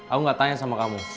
aku gak tanya sama kamu